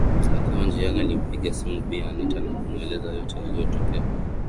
Akiwa njiani alimpigia simu Bi Anita na kumueleza yote yaliyotokea